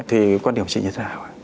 thì quan điểm chị như thế nào